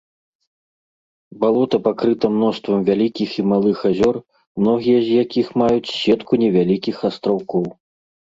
Балота пакрыта мноствам вялікіх і малых азёр, многія з якіх маюць сетку невялікіх астраўкоў.